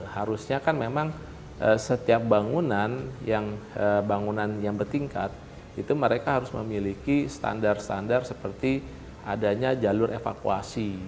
harusnya kan memang setiap bangunan yang bertingkat itu mereka harus memiliki standar standar seperti adanya jalur evakuasi